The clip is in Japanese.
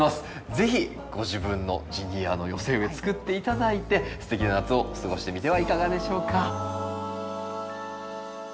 是非ご自分のジニアの寄せ植え作って頂いてすてきな夏を過ごしてみてはいかがでしょうか。